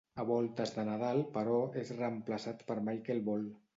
A voltes de Nadal, però, és reemplaçat per Michael Ball.